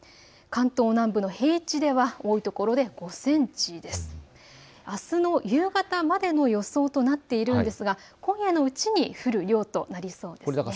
関東南部の平地では多いところで５センチ、あすの夕方までの予想となっているんですが今夜のうちに降る量となりそうです。